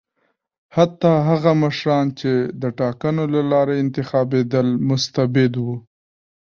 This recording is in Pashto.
حتی هغه مشران چې ټاکنو له لارې انتخابېدل مستبد وو.